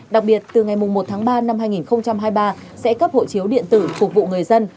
đặc biệt từ ngày một tháng ba năm hai nghìn hai mươi ba sẽ cấp hộ chiếu điện tử phục vụ người dân